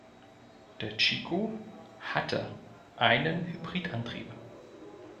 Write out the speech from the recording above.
Der Chico hatte einen Hybridantrieb.